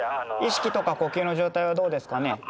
意識とか呼吸の状態はどうですかね？